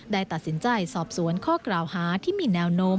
ได้ตัดสินใจสอบสวนข้อกล่าวหาที่มีแนวโน้ม